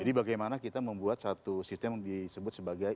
jadi bagaimana kita membuat satu sistem yang disebut sebagai